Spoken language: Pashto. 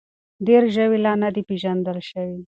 ډېر ژوي لا نه دي پېژندل شوي.